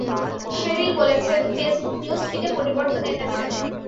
Sherrill বলেছেন, Facebook news ফিডে পরিবর্তন এনেছে।